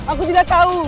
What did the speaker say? aku tidak tahu